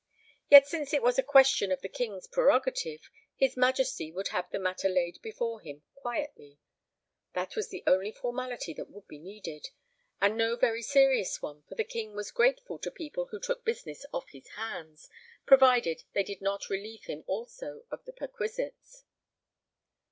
Yet since it was a question of the King's prerogative, his Majesty would have the matter laid before him quietly; that was the only formality that would be needed, and no very serious one, for the King was grateful to people who took business off his hands, provided they did not relieve him also of the perquisites.